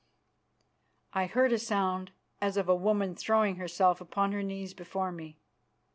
I heard a sound as of a woman throwing herself upon her knees before me.